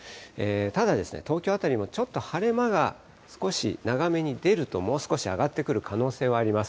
ただですね、東京辺りもちょっと晴れ間が少し長めに出るともう少し上がってくる可能性はあります。